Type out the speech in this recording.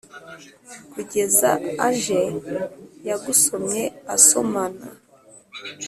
kugeza age yagusomye asomana,